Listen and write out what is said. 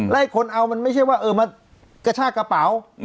และคนเอามันไม่ใช่ว่ามากระชากระเป๋า